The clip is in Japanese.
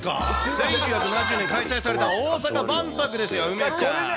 １９７０年に開催された大阪万博ですよ、梅ちゃん。